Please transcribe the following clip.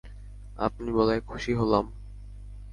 আপনি বলায় খুশি হলাম।